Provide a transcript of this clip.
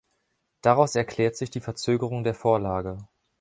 Daraus erklärt sich die Verzögerung der Vorlage.